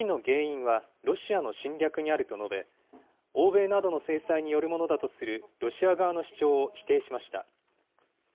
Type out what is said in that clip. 危機の原因はロシアの侵略にあると述べ、欧米などの制裁によるものだとするロシア側の主張を否定しました。